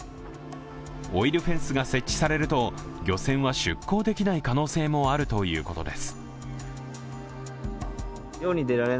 オイルフェンスが設置されると漁船は出港できない可能性もあるということです。